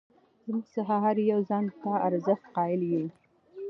زموږ څخه هر یو ځان ته ارزښت قایل یو.